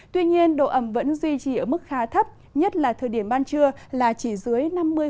tuy nhiên độ ẩm vẫn duy trì ở mức khá thấp nhất là thời điểm ban trưa là chỉ dưới năm mươi